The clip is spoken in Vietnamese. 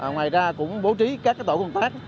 ngoài ra cũng bố trí các tổ công tác